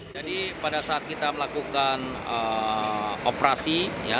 jadi pada saat kita melakukan operasi